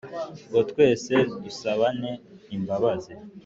ngo twese dusabane imbabazi